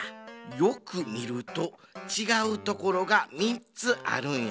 よくみるとちがうところが３つあるんや。